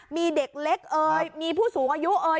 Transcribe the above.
มีเด็กเล็กเอ่ยมีผู้สูงอายุเอ่ย